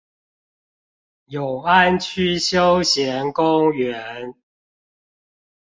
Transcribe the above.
永安區休閒公園